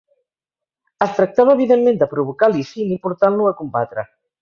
Es tractava evidentment de provocar Licini portant-lo a combatre.